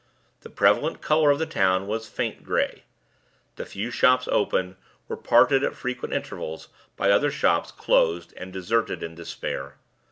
The prevalent color of the town was faint gray. The few shops open were parted at frequent intervals by other shops closed and deserted in despair.